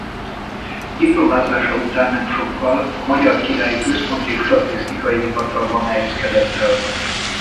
Diplomázása után nem sokkal a Magyar Királyi Központi Statisztikai Hivatalban helyezkedett el.